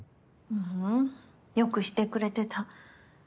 ううん。良くしてくれてた。